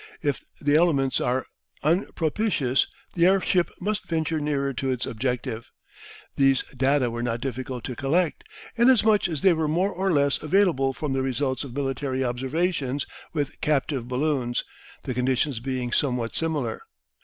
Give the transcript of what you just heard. If the elements are unpropitious the airship must venture nearer to its objective. These data were not difficult to collect, inasmuch as they were more or less available from the results of military observations with captive balloons, the conditions being somewhat similar.